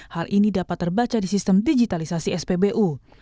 hal ini dapat terbaca di sistem digitalisasi spbu